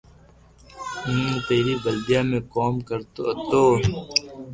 ھون پيري بلديئا ۾ ڪوم ڪرتو ھتو